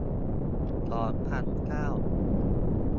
สองพันเก้า